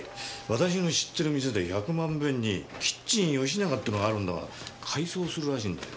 私の知ってる店で百万遍に「キッチンよしなが」ってのがあるんだが改装するらしいんだよ。